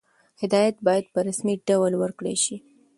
هدایت باید په رسمي ډول ورکړل شي.